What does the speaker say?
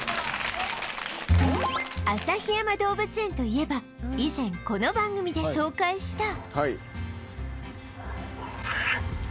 旭山動物園といえば以前この番組で紹介した